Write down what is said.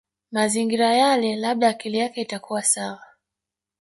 Mazingira yale labda akili yake itakuwa sawa